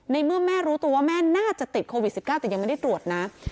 ในเมื่อแม่รู้ตัวว่าแม่น่าจะติดโควิด๑๙แต่ยังไม่ได้ตรวจนะ